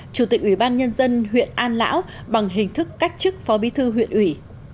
chủ tịch ủy ban nhân dân huyện an lão bằng hình thức cách chức phó bí thư huyện ủy